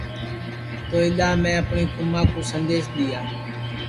تو اِدؔا میں اِس کُوماں کُو سندیس دؔیا